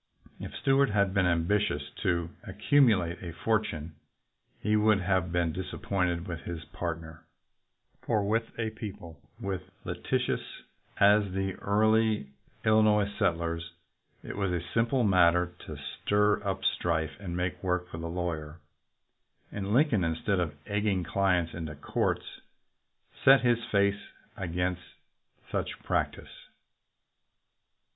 If Stuart had been ambitious to accumulate a fortune, he would have been disappointed with his partner; for, with a people as litigious as the early Illinois settlers, it was a simple matter to stir up strife and make work for the lawyer, and Lincoln, instead of egging clients into the courts, set his face against such practice.